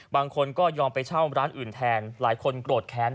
บางคนก็ยอมไปเช่าร้านอื่นแทนหลายคนโกรธแค้น